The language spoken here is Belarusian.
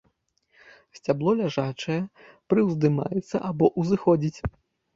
Сцябло ляжачае, прыўздымаецца або ўзыходзіць.